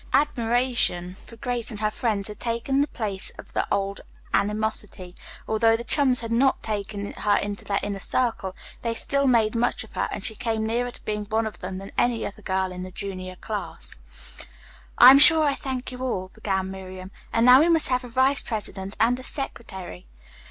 Admiration for Grace and her friends had taken the place of the old animosity. Although the chums had not taken her into their inner circle, still they made much of her, and she came nearer to being one of them than any other girl in the junior class. "I am sure I thank you all," began Miriam, "and now we must have a vice president and a secretary."